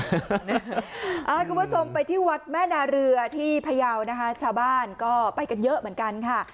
คุณผู้ชมไปที่วัดแม่นาเรือที่พยาวนะคะชาวบ้านก็ไปกันเยอะเหมือนกันค่ะ